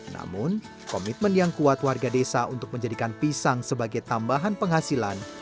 namun komitmen yang kuat warga desa untuk menjadikan pisang sebagai tambahan penghasilan